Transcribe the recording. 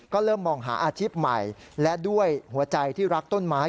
ก็เริ่มมองหาอาชีพใหม่และด้วยหัวใจที่รักต้นไม้